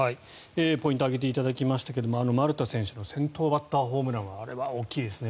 ポイントを挙げていただきましたが丸田選手の先頭バッターホームランあれは大きいですね。